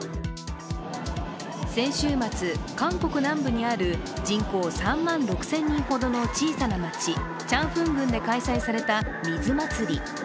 先週末、韓国南部にある人口３万６０００人ほどの小さな町、チャンフン郡で開催された水祭り。